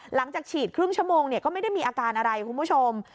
หลังจากฉีดครึ่งชั่วโมงก็ไม่ได้มีอาการอะไรคุณผู้ชม